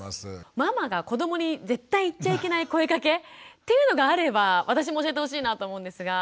ママが子どもに絶対言っちゃいけない声かけっていうのがあれば私も教えてほしいなと思うんですが。